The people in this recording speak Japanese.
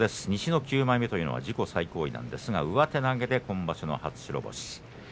西の９枚目という自己最高位なんですが上手投げで今場所の初白星。